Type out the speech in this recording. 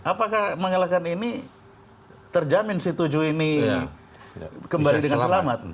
apakah mengalahkan ini terjamin si tujuh ini kembali dengan selamat